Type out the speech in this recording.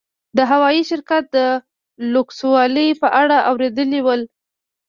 د هوايي شرکت د لوکسوالي په اړه اورېدلي ول.